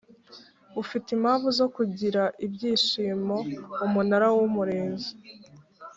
Ufite impamvu zo kugira ibyishimo Umunara w Umurinzi